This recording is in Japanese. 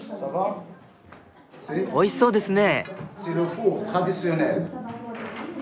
おいしそうですね。